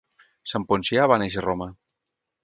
San Poncià va néixer a Roma.